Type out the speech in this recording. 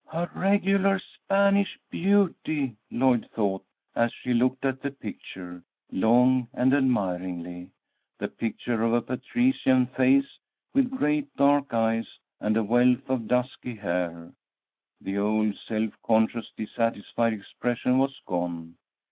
"A regulah Spanish beauty!" Lloyd thought, as she looked at the picture, long and admiringly, the picture of a patrician face with great dark eyes and a wealth of dusky hair. The old self conscious, dissatisfied expression was gone.